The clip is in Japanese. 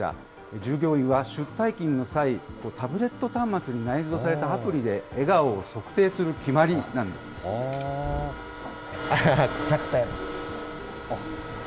従業員は出退勤の際、タブレット端末に内蔵されたアプリで笑顔を測定する決まりなんで１００点！